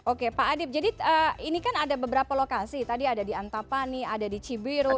oke pak adip jadi ini kan ada beberapa lokasi tadi ada di antapani ada di cibiru